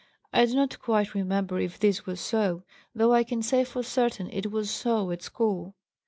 I do not quite remember if this was so, though I can say for certain that it was so at school.